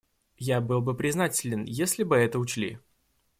Я был бы признателен, если бы это учли.